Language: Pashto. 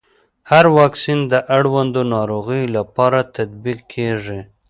هر واکسین د اړوندو ناروغيو لپاره تطبیق کېږي.